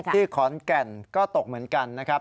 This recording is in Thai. ที่ขอนแก่นก็ตกเหมือนกันนะครับ